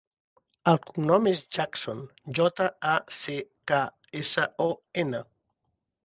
El cognom és Jackson: jota, a, ce, ca, essa, o, ena.